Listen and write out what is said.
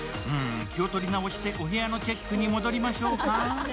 うーん、気を取り直してお部屋のチェックにまいりましょうか。